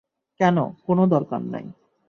না, কোন দরকার নাই।